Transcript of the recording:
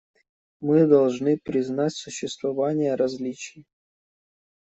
Мы должны признать существование различий.